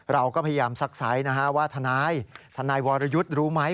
เราก็พยายามซักไซส์นะฮะว่าทนายทนายวรยุทธ์รู้ไหม